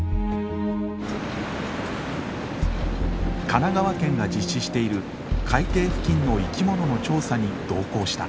神奈川県が実施している海底付近の生き物の調査に同行した。